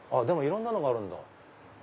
でもいろんなのがあるんだ。